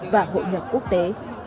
và hội nhập quốc tế